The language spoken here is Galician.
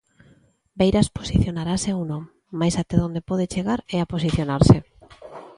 Beiras posicionarase ou non, mais até onde pode chegar é a posicionarse.